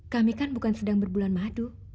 kami kan bukan sedang berbulan madu